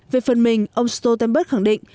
về phần mình ông stoltenberg khẳng định